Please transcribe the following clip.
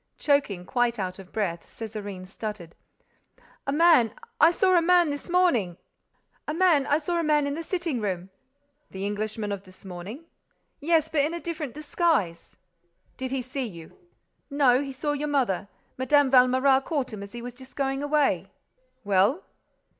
Choking, quite out of breath, Césarine stuttered: "A man—I saw a man this morning! "A man—I saw a man in the sitting room." "The Englishman of this morning?" "Yes—but in a different disguise." "Did he see you?" "No. He saw your mother. Mme. Valméras caught him as he was just going away." "Well?"